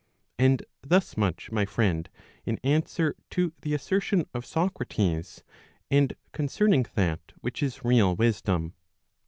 And thus much, my friend, in answer to the assertion of Socrates, and concerning that which is real wisdom.